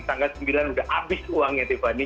tanggal sembilan sudah habis uangnya dipani